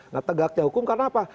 nah tegaknya hukum karena apa